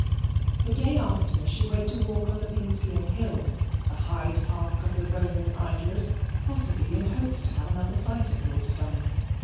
The day after she went to walk on the Pincian Hill the Hyde Park of the Roman idlers possibly in hopes to have another sight of Lord Steyne.